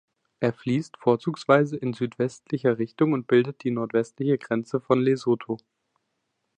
Er fließt vorzugsweise in südwestlicher Richtung und bildet die nordwestliche Grenze von Lesotho.